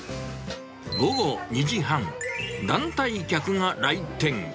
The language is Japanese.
午後２時半、団体客が来店。